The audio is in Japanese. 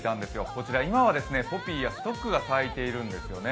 こちら今はポピーやストックが咲いているんですね。